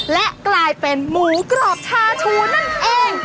และกลายเป็นหมูกรอบชาชูนั่นเอง